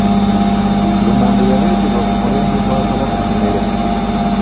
Lumonde yaleetebwa ku mulembe gwa Kabaka Kimera.